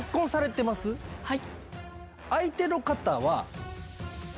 はい。